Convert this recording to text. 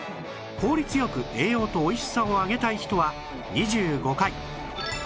効率よく栄養とおいしさを上げたい人は２５回